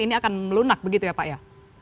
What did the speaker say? ini akan melunak begitu ya pak ya